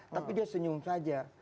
tapi dia senyum saja